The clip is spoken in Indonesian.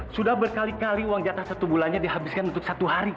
sudah berkali kali uang jatah satu bulannya dihabiskan untuk satu hari